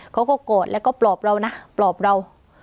เขาก็โกรธแล้วก็ปลอบเรานะปลอบเรา